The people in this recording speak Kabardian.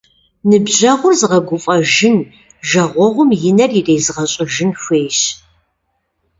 Ныбжьэгъур згъэгуфӏэжын, жагъуэгъум и нэр ирезгъэщӏыжын хуейщ.